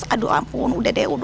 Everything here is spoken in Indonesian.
aduh ampun udah deh